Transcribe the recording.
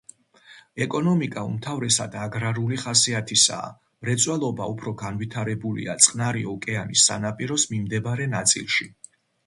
ეკონომიკა უმთავრესად აგრარული ხასიათისაა, მრეწველობა უფრო განვითარებულია წყნარი ოკეანის სანაპიროს მიმდებარე ნაწილში.